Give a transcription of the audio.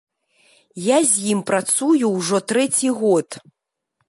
Я з ім працую ўжо трэці год.